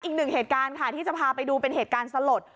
อีกหนึ่งเหตุการณ์ค่ะที่จะพาไปดูเป็นเหตุการณ์สลด